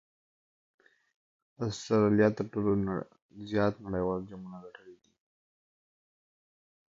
اسټراليا تر ټولو زیات نړۍوال جامونه ګټلي دي.